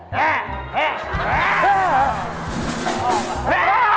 ฮ่าฮ่า